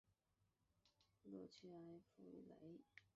洛屈埃夫雷。